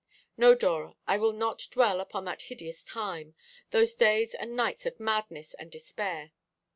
"No, Dora, I will not dwell upon that hideous time, those days and nights of madness and despair.